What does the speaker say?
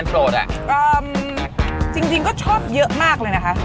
แป้งเยอะกว่านั้นค่ะ